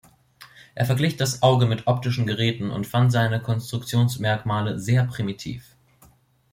Er verglich das Auge mit optischen Geräten und fand seine Konstruktionsmerkmale sehr primitiv.